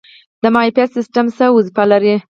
د معافیت سیستم څه دنده لري؟